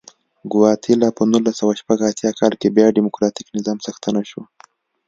ګواتیلا په نولس سوه شپږ اتیا کال کې بیا ډیموکراتیک نظام څښتنه شوه.